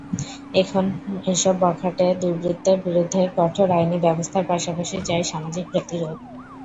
এসব বখাটে দুর্বৃত্তের বিরুদ্ধে কঠোর আইনি ব্যবস্থার পাশাপাশি চাই সামাজিক প্রতিরোধ।